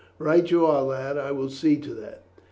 "Right you are, lad. I will see to that."